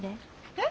えっ？